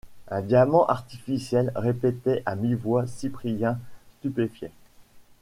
Un diamant artificiel! répétait à mi-voix Cyprien stupéfait.